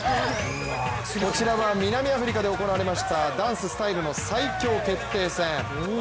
こちらは南アフリカで行われました、ダンススタイルの最強決定戦。